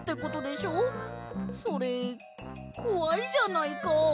それこわいじゃないか。